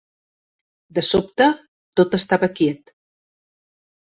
De sobte, tot estava quiet.